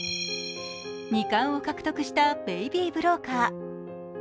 ２冠を獲得した「ベイビー・ブローカー」。